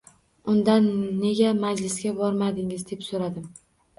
Undan nega majlisga bormadingiz, deb so‘radim.